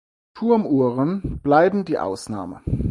Turmuhren blieben die Ausnahme.